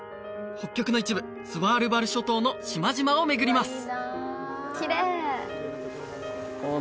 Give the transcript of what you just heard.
北極の一部スヴァールバル諸島の島々を巡ります